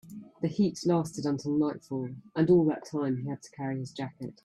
The heat lasted until nightfall, and all that time he had to carry his jacket.